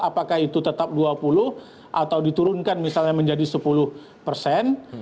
apakah itu tetap dua puluh atau diturunkan misalnya menjadi sepuluh persen